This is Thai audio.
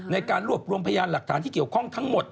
ในการรวบรวมพยานหลักฐานที่เกี่ยวข้องทั้งหมด